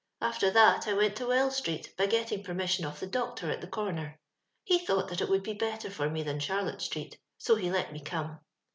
After that I went to Wells street, by getting permission of the doctor at the comer. He thought that it would be better for me than Charlotte street, so he let me come.